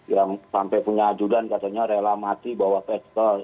yang sampai punya ajudan katanya rela mati bawa pestol